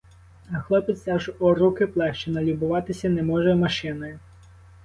А хлопець аж у руки плеще, налюбуватися не може машиною.